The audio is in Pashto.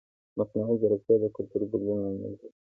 مصنوعي ځیرکتیا د کلتوري بدلون لامل ګرځي.